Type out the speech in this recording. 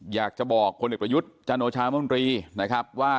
อยากจะบอกคนเอกประยุทธ์จันโอชามนตรีนะครับว่า